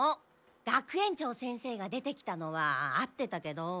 学園長先生が出てきたのは合ってたけど。